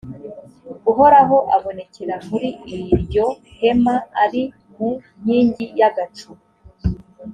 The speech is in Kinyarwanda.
uhoraho abonekera muri iryo hema, ari mu nkingi y’agacu;